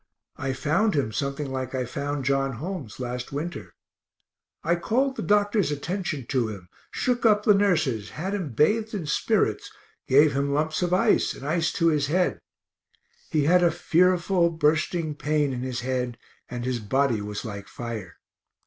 I found him something like I found John Holmes last winter. I called the doctor's attention to him, shook up the nurses, had him bathed in spirits, gave him lumps of ice, and ice to his head; he had a fearful bursting pain in his head, and his body was like fire.